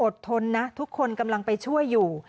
ทนนะทุกคนกำลังไปช่วยอยู่